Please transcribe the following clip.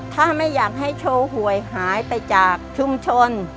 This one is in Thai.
ถ้าไม่อยากให้โชว์หวยหายไปจากชุมชน